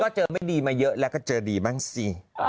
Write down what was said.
ก็เจอไม่ดีมาเยอะแล้วก็เจอดีบ้างสิ